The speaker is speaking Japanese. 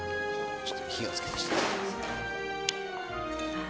火をつけさせていただきます。